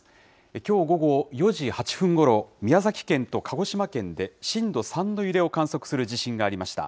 きょう午後４時８分ごろ、宮崎県と鹿児島県で震度３の揺れを観測する地震がありました。